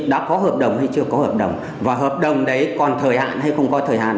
đã có hợp đồng hay chưa có hợp đồng và hợp đồng đấy còn thời hạn hay không có thời hạn